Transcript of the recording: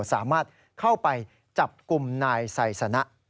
สามารถเข้าไปจับกลุ่มนายไซสนะ